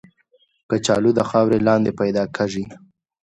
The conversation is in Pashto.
کچالو د خاورې لاندې پیدا کېږي